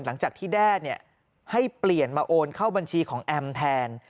หลังจากที่แด้ให้เปลี่ยนมาโอนเข้าบัญชีของแอมแทน